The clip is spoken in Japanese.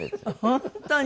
本当に？